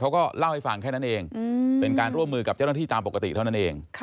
เขาก็เล่าให้ฟังแค่นั้นเองเป็นการร่วมมือกับเจ้าหน้าที่ตามปกติเท่านั้นเอง